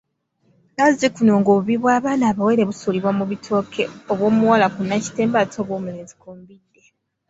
Nazzikuno ng’obubi bw’abaanaa abawere busuulibwa ku bitooke; obw’omuwala ku Nakitembe ate obw’omulenzi ku Mbidde.